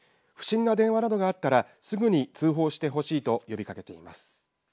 不審な電話などがあったらすぐに通報してほしいと呼びかけています。